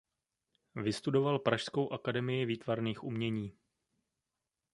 Vystudoval pražskou akademii výtvarných umění.